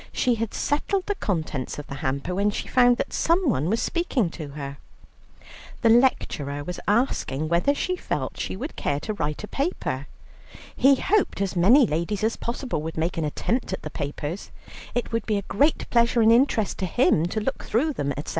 She had settled the contents of the hamper when she found that someone was speaking to her. The lecturer was asking whether she felt she would care to write a paper. He hoped as many ladies as possible would make an attempt at the papers; it would be a great pleasure and interest to him to look through them, etc.